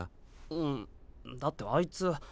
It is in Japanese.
うんだってあいつ。